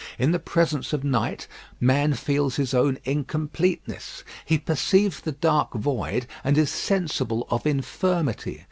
In the presence of night man feels his own incompleteness. He perceives the dark void and is sensible of infirmity.